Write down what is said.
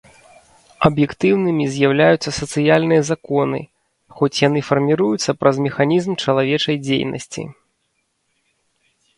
Аб'ектыўнымі з'яўляюцца сацыяльныя законы, хоць яны фарміруюцца праз механізм чалавечай дзейнасці.